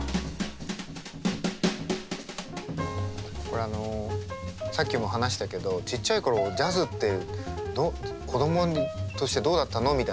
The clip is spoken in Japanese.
これあのさっきも話したけどちっちゃい頃ジャズって子供としてどうだったのみたいな話もあったじゃない？